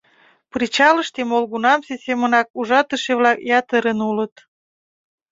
Причалыште молгунамсе семынак ужатыше-влак ятырын улыт.